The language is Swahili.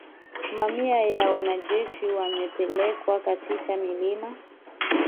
Mamia ya wanajeshi wamepelekwa katika milima